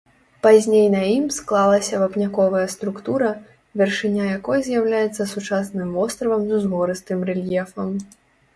Пазней на ім склалася вапняковая структура, вяршыня якой з'яўляецца сучасным востравам з узгорыстым рэльефам.